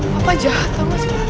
papa jahat pak mas